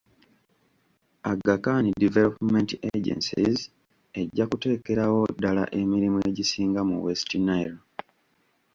Aga Khan Development agencies ejja kuteekerawo ddala emirimu egisinga mu West Nile.